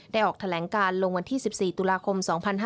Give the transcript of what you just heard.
ออกแถลงการลงวันที่๑๔ตุลาคม๒๕๕๙